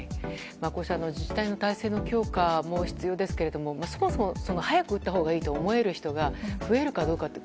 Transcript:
こうした自治体の体制の強化も必要ですがそもそも、早く打ったほうがいいと思える人が増えるかどうか。